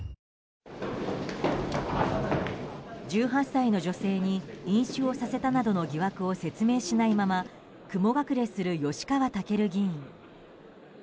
１８歳の女性に飲酒をさせたなどの疑惑を説明しないまま雲隠れする吉川赳議員。